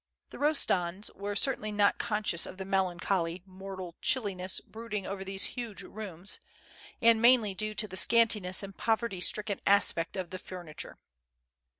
The Eostands were cer tainly not conscious of the melancholy, mortal chilli ness brooding over these huge rooms, and mainly due to the scantiness and poverty stricken aspect of the furniture.